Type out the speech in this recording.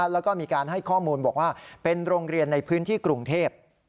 แล้วก็มีการให้ข้อมูลบอกว่าเป็นโรงเรียนในพื้นที่กรุงเทพ